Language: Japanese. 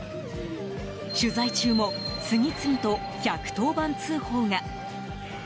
取材中も次々と１１０番通報が。